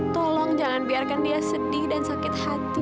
tolong jangan biarkan dia sedih dan sakit hati